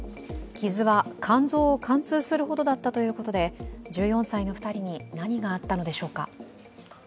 傷は肝臓を貫通するほどだったということで１４歳の２人に何があったのでしょうか。